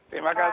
terima kasih bu